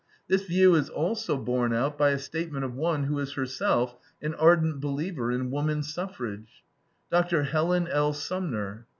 This view is also borne out by a statement of one who is herself an ardent believer in woman suffrage, Dr. Helen L. Sumner.